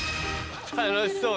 楽しそうな。